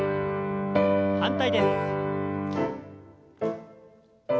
反対です。